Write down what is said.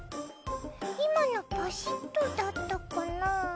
今のパシッとだったかな？